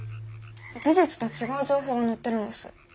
事実と違う情報が載ってるんです。